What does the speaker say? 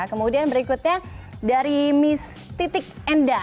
kemudian berikutnya dari miss titik enda